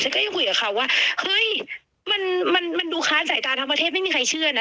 ก็ยังคุยกับเขาว่าเฮ้ยมันมันดูค้าสายตาทั้งประเทศไม่มีใครเชื่อนะ